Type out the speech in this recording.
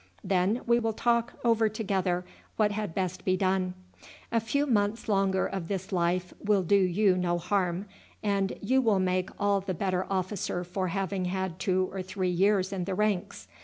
Then we will talk over together what had best be done. A few months longer of this life will do you no harm, and you will make all the better officer for having had two or three years in the ranks.